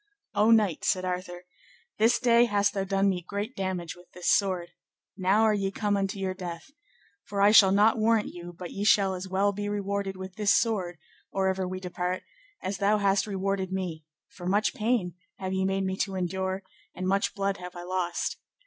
O knight, said Arthur, this day hast thou done me great damage with this sword; now are ye come unto your death, for I shall not warrant you but ye shall as well be rewarded with this sword, or ever we depart, as thou hast rewarded me; for much pain have ye made me to endure, and much blood have I lost.